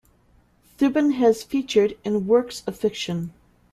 Thuban has featured in works of fiction.